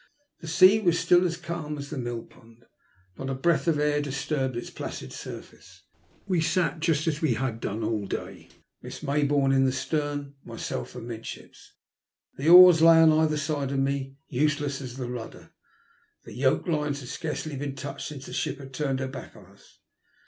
The sea was still as calm as a mill pond, not a breath of air disturbed its placid surface. We sat just as we had done all day: Miss Mayboume in the stem, myself amidships. The oars lay on either side of me, useless as the rudder, the yoke lines had scarcely been touched since the ship had turned her back on us.